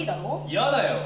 嫌だよ。